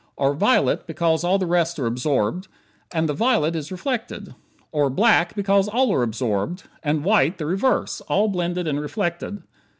Or "violet" because all the rest are absorbed, and the violet is reflected. Or "black" because all are absorbed; and "white" the reverse, all blended and reflected.